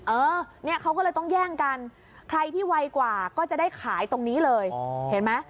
เออเนี่ยเขาก็เลยต้องแย่งกันใครที่ไวกว่าก็จะได้ขายตรงนี้เลยเห็นไหม